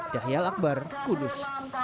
yahyal akbar kudus